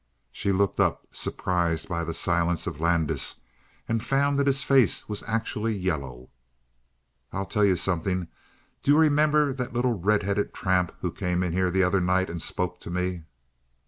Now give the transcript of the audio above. She looked up, surprised by the silence of Landis, and found that his face was actually yellow. "I'll tell you something. Do you remember the little red headed tramp who came in here the other night and spoke to me?"